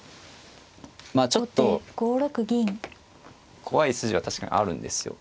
まあちょっと怖い筋は確かにあるんですよ。